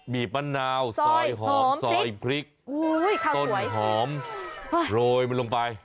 มีมะนาวซอยหอมซอยพริกต้นหอมโรยมันลงไป